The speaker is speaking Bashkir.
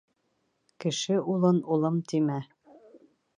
Кеше улын улым тимә.